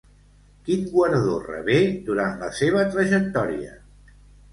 Quin guardó rebé durant la seva trajectòria?